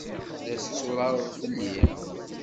La tetturareḍ fell-i?